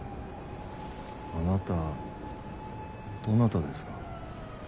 あなたどなたですか？